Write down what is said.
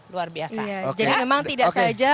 luar biasa jadi memang tidak saja